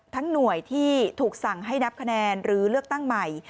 หน่วยที่ถูกสั่งให้นับคะแนนหรือเลือกตั้งใหม่